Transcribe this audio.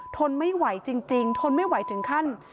ทนไม่ไหวจริงทนไม่ไหวถึงขั้น